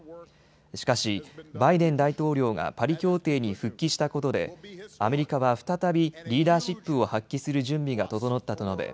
しかしバイデン大統領がパリ協定に復帰したことでアメリカは再びリーダーシップを発揮する準備が整ったと述べ